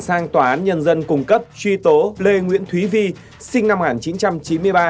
sang tòa án nhân dân cung cấp truy tố lê nguyễn thúy vi sinh năm một nghìn chín trăm chín mươi ba